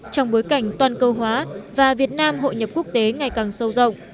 trong bối cảnh toàn cầu hóa và việt nam hội nhập quốc tế ngày càng sâu rộng